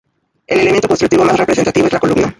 El elemento constructivo más representativo es la columna.